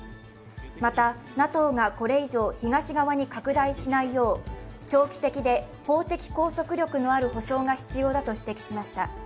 またＮＡＴＯがこれ以上東側に拡大しないよう長期的で法的拘束力のある保証が必要だと指摘しました。